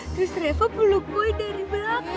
terus reva peluk boy dari belakang